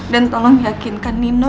dan tolong yakinkan nino dan kuatnya